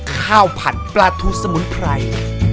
ข้าวผัดปลาทูสมุนไพร